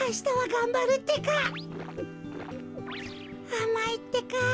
あまいってか。